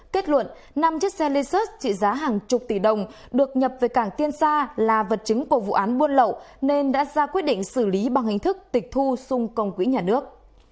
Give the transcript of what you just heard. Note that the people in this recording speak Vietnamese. kết luận năm chiếc xe lizut trị giá hàng chục tỷ đồng được nhập về cảng tiên sa là vật chứng của vụ án buôn lậu nên đã ra quyết định xử lý bằng hình thức tịch thu xung công quỹ nhà nước